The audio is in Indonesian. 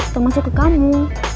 termasuk ke kamu